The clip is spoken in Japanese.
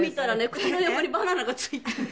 口の横にバナナがついて。